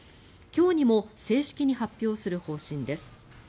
今日にも正式に発表する方針です。